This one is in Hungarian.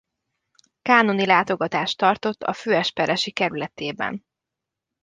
Kánoni látogatást tartott a főesperesi kerületében.